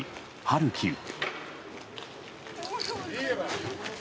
ハルキウ。